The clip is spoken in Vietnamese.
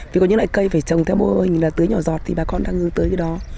vì có những loại cây phải trồng theo mô hình là tưới nhỏ giọt thì bà con đang hướng tới cái đó